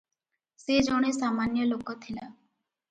ସେ ଜଣେ ସାମାନ୍ୟ ଲୋକ ଥିଲା ।